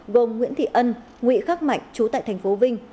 gồm nguyễn thị ân nguyễn khắc mạnh chú tại thành phố vinh